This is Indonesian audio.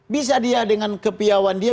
bisa dia dengan kepiawan dia